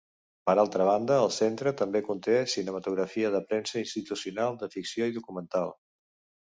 Per altra banda el Centre també conté cinematografia de premsa, institucional, de ficció i documental.